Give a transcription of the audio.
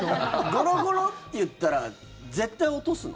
ゴロゴロっていったら絶対落とすの？